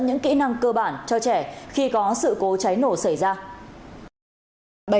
những kỹ năng cơ bản cho trẻ khi có sự cố cháy nổ xảy ra